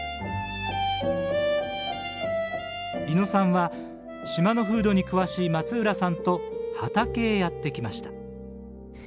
伊野さんは島の風土に詳しい松浦さんと畑へやって来ました。